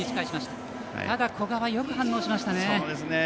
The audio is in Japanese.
ただ、古賀はよく反応しました。